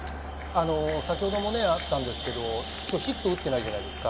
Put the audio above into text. さっきもあったんですけど、今日ヒットを打っていないじゃないですか。